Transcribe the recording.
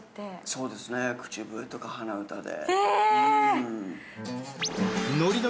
そうですね、口笛とか鼻歌で。